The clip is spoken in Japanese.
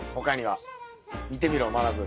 見てみろまなぶ。